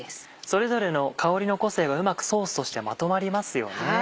それぞれの香りの個性がうまくソースとしてまとまりますよね。